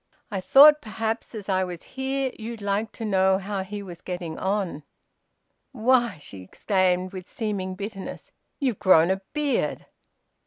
"I thought perhaps as I was here you'd like to know how he was getting on." "Why," she exclaimed, with seeming bitterness, "you've grown a beard!"